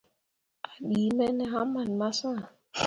A ɗii me ne haman massh.